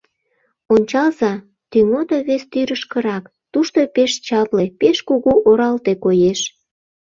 Ончалза Тӱҥото вес тӱрышкырак: тушто пеш чапле, пеш кугу оралте коеш.